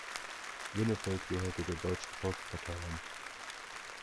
Winnefeld gehörte der Deutschen Volkspartei an.